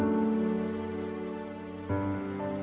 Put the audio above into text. terima kasih ya